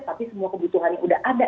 tapi semua kebutuhan yang udah ada